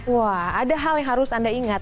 wah ada hal yang harus anda ingat